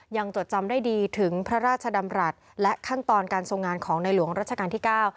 จดจำได้ดีถึงพระราชดำรัฐและขั้นตอนการทรงงานของในหลวงรัชกาลที่เก้า